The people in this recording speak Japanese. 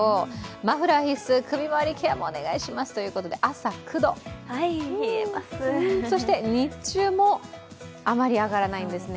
マフラー必須、首回りケアもお願いしますということで朝９度、そして日中も余り上がらないんですね。